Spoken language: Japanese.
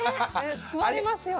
救われますよね。